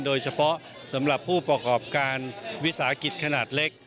โดยเฉพาะสำหรับผู้ประกอบการวิสาหกิจขนาดเล็ก